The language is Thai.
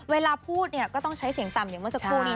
เวลาพูดเนี่ยก็ต้องใช้เสียงต่ำอย่างเมื่อสักครู่นี้